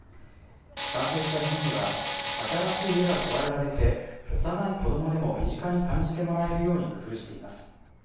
完成した絵本には新しい絵が加えられて幼い子どもでも身近に感じてもらえるように工夫しています。